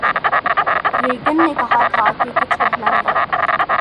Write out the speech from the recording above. Reagan نے کہا تھا کہ کچھ کہنا نہیں